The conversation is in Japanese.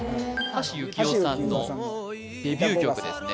橋幸夫さんのデビュー曲ですね